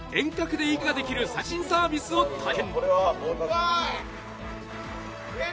遠隔で育児ができる最新サービスを体験。